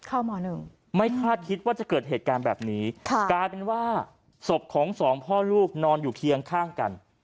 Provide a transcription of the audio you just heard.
มหนึ่งไม่คาดคิดว่าจะเกิดเหตุการณ์แบบนี้ค่ะกลายเป็นว่าศพของสองพ่อลูกนอนอยู่เคียงข้างกัน